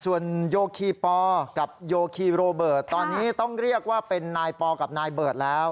ส่วนโยคีปอกับโยคีโรเบิร์ตตอนนี้ต้องเรียกว่าเป็นนายปอกับนายเบิร์ตแล้ว